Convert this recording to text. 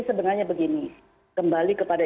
sebenarnya begini kembali kepada